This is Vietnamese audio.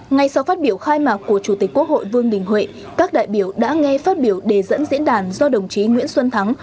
ngay sau phát biểu khai mạc của chủ tịch quốc hội vương đình huệ các đại biểu đã nghe phát biểu đề dẫn diễn đàn do đồng chí nguyễn xuân thắng